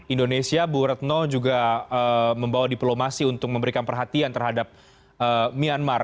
indonesia bu retno juga membawa diplomasi untuk memberikan perhatian terhadap myanmar